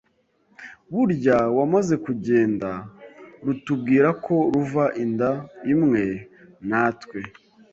Burya wamaze kugenda rutubwira ko ruva inda imwe na twe